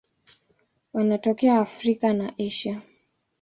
Wanatokea Afrika na Asia.